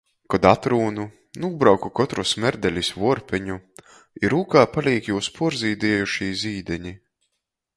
Kod atrūnu, nūbrauku kotru smerdelis vuorpeņu, i rūkā palīk jūs puorzīdiejušī zīdeni.